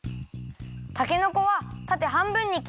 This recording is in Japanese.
たけのこはたてはんぶんにきったら。